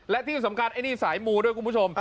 และที่สำคัญไอ้นี่สายมูด้วยคุณผู้ชม